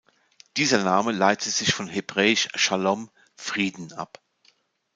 Dieser Name leitet sich von hebräisch "Schalom", "Frieden" ab.